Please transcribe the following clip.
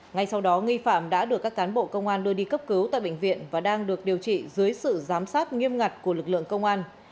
ngay sau đó nghi phạm đã được các cán bộ công an đưa đi cấp cứu tại bệnh viện và đang được điều trị dưới sự giám sát nghiêm ngặt của lực lượng công an